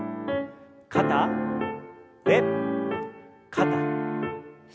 肩上肩下。